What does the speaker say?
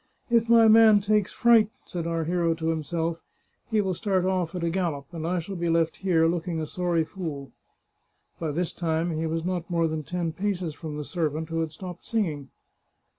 " If my man takes fright," said our hero to himself, " he will start oflf at a gallop, and I shall be left here, looking a sorry fool." By this time he was not more than ten paces from the servant, who had stopped singing.